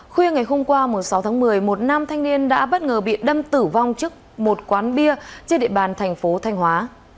khuya ngày hôm qua sáu tháng một mươi một nam thanh niên đã bất ngờ bị đâm tử vong trước một quán bia trên địa bàn thành phố thanh hóa